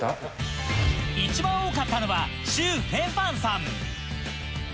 一番多かったのは許豊凡さん